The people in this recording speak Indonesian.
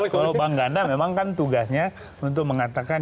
kalau bang ganda memang kan tugasnya untuk mengatakan